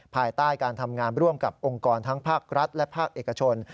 ภายใต้การทำงานร่วมกับองค์กรทั้งภาครัฐและภาคเอกชน